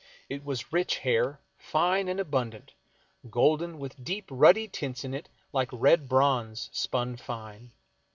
It was rich hair, fine and abundant, golden, with deep ruddy tints in it like red bronze spun fine.